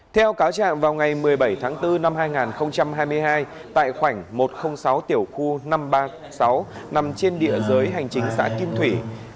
theo cáo trạng vào ngày một mươi bảy tháng bốn năm hai nghìn hai mươi hai tại khoảnh một trăm linh sáu tiểu khu năm trăm ba mươi sáu nằm trên địa giới hành trình xã kim thủy